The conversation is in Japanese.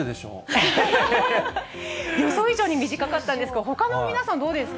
予想以上に短かったんですが、ほかの皆さん、どうですか？